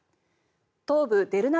東部デルナ